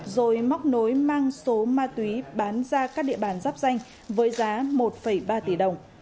rồi móc nối mang số ma túy bán ra các địa bàn giáp danh với giá một ba tỷ đồng